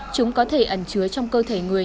chúng có thể ẩn chứa trong cơ thể người